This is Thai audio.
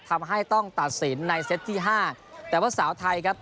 ทำให้ต้องตัดสินในเซตที่ห้าแต่ว่าสาวไทยครับ